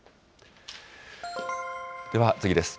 では、次です。